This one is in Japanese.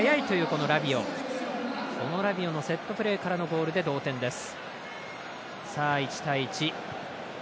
このラビオのセットプレーからの得点で同点です。